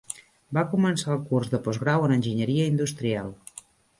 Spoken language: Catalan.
Va començar el curs de postgrau en enginyeria industrial.